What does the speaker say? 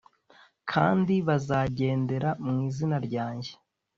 kandi bazagendera mu izina ryanjye